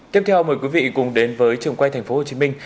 tiếp theo mời quý vị cùng đến với trường quay thành phố hồ chí minh